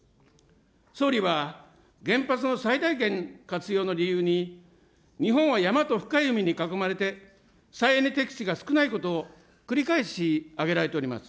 総理は原発の最大限活用の利用に、日本は山と深い海に囲まれて再エネ適地が少ないことを繰り返し挙げられております。